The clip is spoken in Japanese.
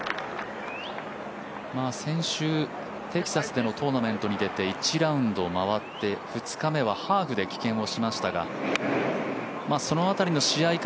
先週、テキサスでのトーナメントに出て１ラウンド回って２日目はハーフで棄権をしましたがその辺りの試合